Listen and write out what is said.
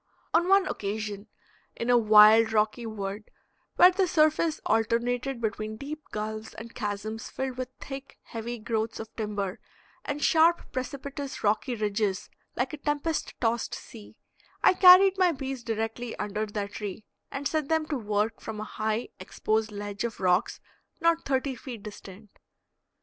On one occasion, in a wild rocky wood, where the surface alternated between deep gulfs and chasms filled with thick, heavy growths of timber and sharp, precipitous, rocky ridges like a tempest tossed sea, I carried my bees directly under their tree, and set them to work from a high, exposed ledge of rocks not thirty feet distant.